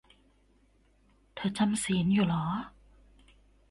เธอจำศีลอยู่เหรอ?